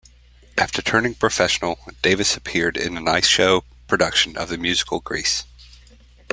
After turning professional, Davis appeared in an ice show production of the musical "Grease".